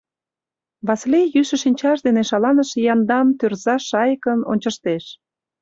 — Васлий йӱшӧ шинчаж дене шаланыше яндан тӧрзаш шайыкын ончыштеш.